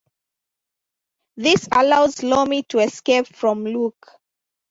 This allows Lomi to escape from Luke.